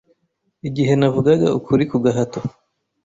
Igihe navugaga ukuri ku gahato